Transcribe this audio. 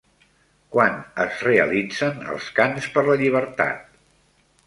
Quan es realitzen els Cants per la Llibertat?